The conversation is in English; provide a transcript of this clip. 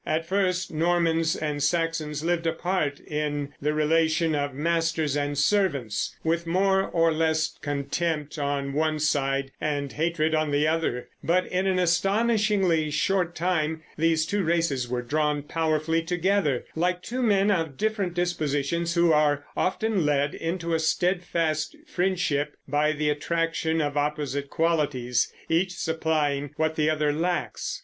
At first Normans and Saxons lived apart in the relation of masters and servants, with more or less contempt on one side and hatred on the other; but in an astonishingly short time these two races were drawn powerfully together, like two men of different dispositions who are often led into a steadfast friendship by the attraction of opposite qualities, each supplying what the other lacks.